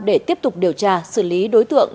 để tiếp tục điều tra xử lý đối tượng